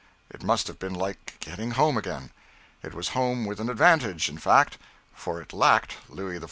It must have been like getting home again; it was home with an advantage, in fact, for it lacked Louis XIV.